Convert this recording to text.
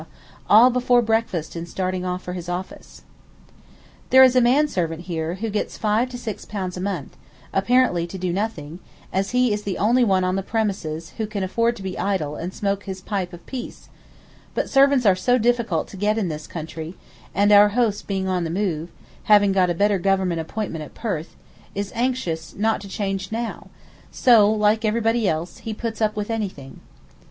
all before breakfast and starting off for his office. There is a man servant here who gets 5 to 6 pounds a month, apparently to do nothing, as he is the only one on the premises who can afford to be idle and smoke his pipe of peace; but servants are so difficult to get in this country, and our host being on the move, having got a better Government appointment at Perth, is anxious not to change now, so, like everybody else, puts up with anything.